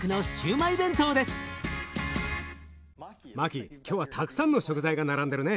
マキ今日はたくさんの食材が並んでるね。